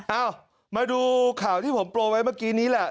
เอ้ามาดูข่าวที่ผมโปรยไว้เมื่อกี้นี้แหละ